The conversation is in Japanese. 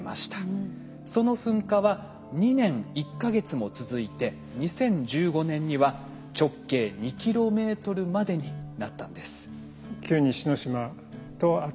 その噴火は２年１か月も続いて２０１５年には直径２ｋｍまでになったんです。